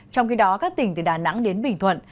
trong khi đó các tỉnh từ đà nẵng đến bình thuận